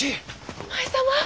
お前様！